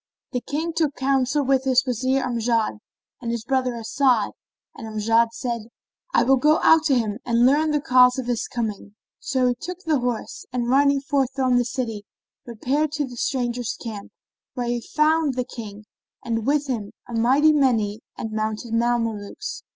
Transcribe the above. The King took counsel with his Wazir Amjad and his brother As'ad; and Amjad said, "I will go out to him and learn the cause of his coming." So he took horse and, riding forth from the city, repaired to the stranger's camp, where he found the King and with him a mighty many and mounted Mamelukes.